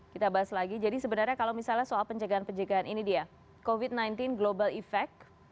kita bahas lagi jadi sebenarnya kalau misalnya soal pencegahan pencegahan ini dia covid sembilan belas global effect